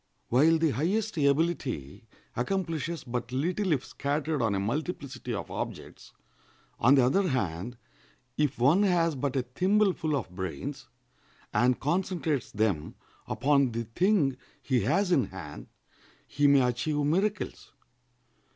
While the highest ability accomplishes but little if scattered on a multiplicity of objects, on the other hand, if one has but a thimbleful of brains, and concentrates them upon the thing he has in hand, he may achieve miracles.